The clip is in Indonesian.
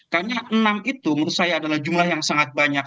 karena enam itu menurut saya adalah jumlah yang sangat banyak